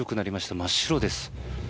真っ白です。